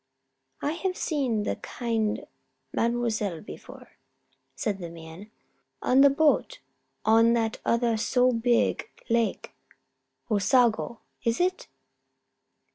"I have seen the kind Mademoiselle before," said the man. "On the boat on that other so beeg lake Osago, is it?"